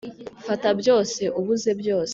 fata byose, ubuze byose.